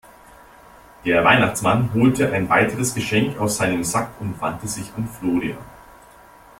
Der Weihnachtsmann holte ein weiteres Geschenk aus seinem Sack und wandte sich an Florian.